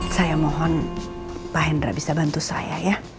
saya mohon pak hendra bisa bantu saya ya